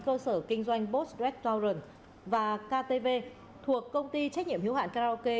cơ sở kinh doanh post restaurant và ktv thuộc công ty trách nhiệm hiếu hạn karaoke